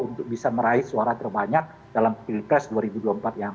untuk bisa meraih suara terbanyak dalam pilpres dua ribu dua puluh empat yang akan